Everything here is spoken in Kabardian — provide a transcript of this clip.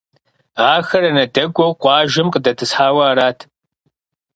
Ахэр анэдэкӏуэу къуажэм къыдэтӏысхьауэ арат.